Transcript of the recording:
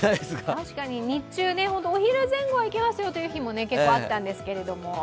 確かに日中、お昼前後はいけますよという日も結構あったんですけれども。